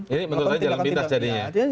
ini menurut saya jalan pintas jadinya